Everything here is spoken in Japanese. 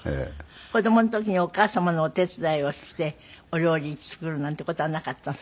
子どもの時にお母様のお手伝いをしてお料理作るなんて事はなかった？